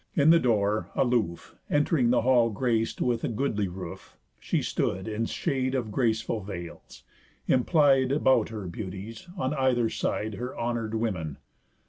In the door, aloof, Ent'ring the hall grac'd with a goodly roof, She stood, in shade of graceful veils, implied About her beauties; on her either side, Her honour'd women.